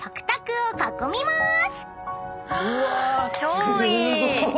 うわ！